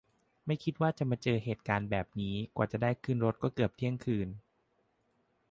ไม่คิดว่าจะมาเจอเหตุการณ์แบบนี้ กว่าจะได้ขึ้นรถก็เกือบเที่ยงคืน